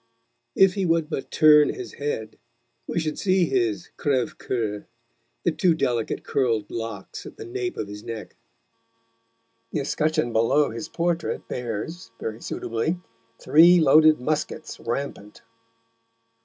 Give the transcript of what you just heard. If he would but turn his head, we should see his crèves coeur, the two delicate curled locks at the nape of his neck. The escutcheon below his portrait bears, very suitably, three loaded muskets rampant.